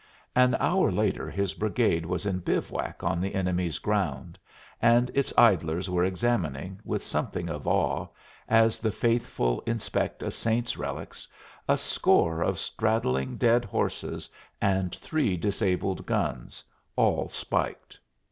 An hour later his brigade was in bivouac on the enemy's ground, and its idlers were examining, with something of awe, as the faithful inspect a saint's relics, a score of straddling dead horses and three disabled guns, all spiked.